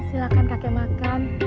silakan kakek makan